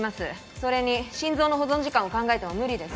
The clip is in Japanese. それに心臓の保存時間を考えても無理です